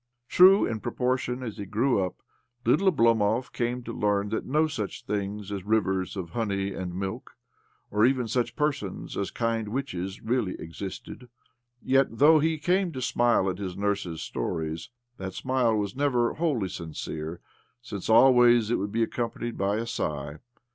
True, in proportion as he grew up, little Oblomov came to learn that no such things as rivers of honey and milk, or even such persons as kind witches, really existed ; yet, though he came to smile at his nurse's stories, that smile was never wholly sincere, since always it would be accompanied by a sigh.